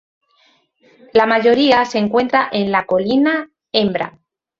La mayoría se encuentra en la colina Hembra.